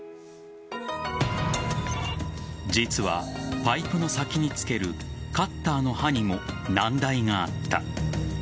実はパイプの先につけるカッターの刃にも難題があった。